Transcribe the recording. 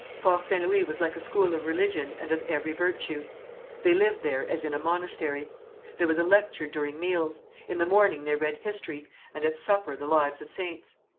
Fort St. Louis was like a school of religion and of every virtue. They lived there as in a monastery. There was a lecture during meals; in the morning they read history, and at supper the lives of saints.